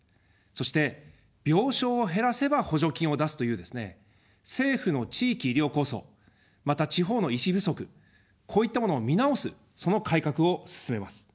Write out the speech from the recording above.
そして、病床を減らせば補助金を出すというですね、政府の地域医療構想、また地方の医師不足、こういったものを見直す、その改革を進めます。